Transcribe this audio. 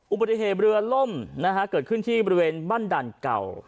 อุบัติเหตุเรือล่มเกิดขึ้นที่บริเวณบ้านด่านเก่า